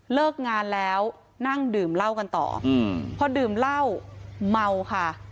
เลิกงานแล้วนั่งดื่มเหล้ากันต่อพอดื่มเหล้าเมาค่ะ